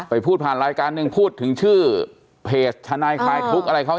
พูดผ่านรายการหนึ่งพูดถึงชื่อเพจทนายคลายทุกข์อะไรเขา